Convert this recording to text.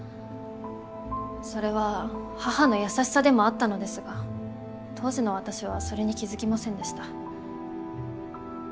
それは母の優しさでもあったのですが当時の私はそれに気付きませんでした。